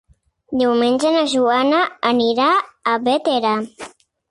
Diumenge na Joana anirà a Bétera.